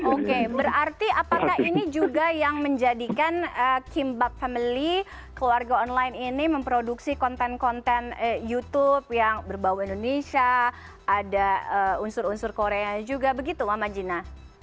oke berarti apakah ini juga yang menjadikan kimbab family keluarga online ini memproduksi konten konten youtube yang berbau indonesia ada unsur unsur korea juga begitu mama gina